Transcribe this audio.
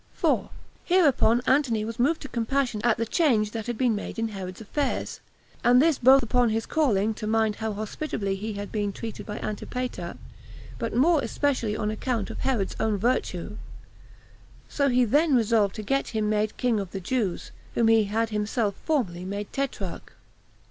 4. Hereupon Antony was moved to compassion at the change that had been made in Herod's affairs, and this both upon his calling to mind how hospitably he had been treated by Antipater, but more especially on account of Herod's own virtue; so he then resolved to get him made king of the Jews, whom he had himself formerly made tetrarch.